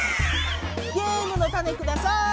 ゲームのたねください。